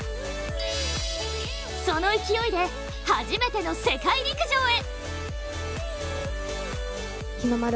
その勢いで初めての世界陸上へ。